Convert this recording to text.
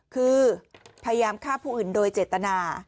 คือพยายามฆ่าผู้อื่นโดยเจตนา